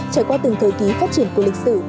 trải qua từng thời kỳ phát triển của lịch sử